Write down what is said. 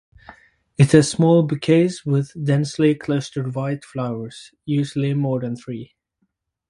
It has small bouquets with densely clustered white flowers (usually more than three).